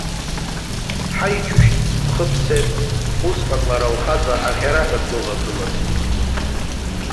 Ҳаи, џьушьҭ, бхы бсеит, усҟан лара лхаҵа аӷьараҳәа длывагылан.